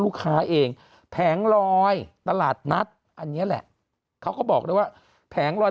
ลูกค้าเองแผงลอยตลาดนัดอันนี้แหละเขาก็บอกเลยว่าแผงลอย